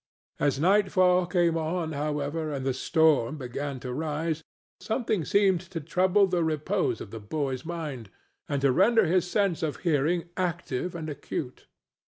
As nightfall came on, however, and the storm began to rise, something seemed to trouble the repose of the boy's mind and to render his sense of hearing active and acute.